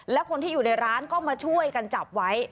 และคนที่อยู่ในร้านก็มาช่วยกันจับไว้